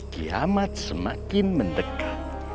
kiamat semakin mendekat